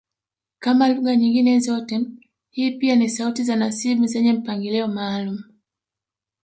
Kama lugha nyingine zote hii pia ni sauti za nasibu zenye mpangilio maalumu